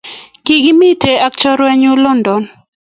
Kikimiten ak chorwenyuk London